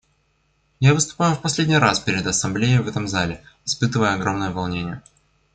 Я выступаю в последний раз перед Ассамблеей в этом зале, испытывая огромное волнение.